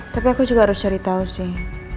tapi aku juga harus cari tahu sih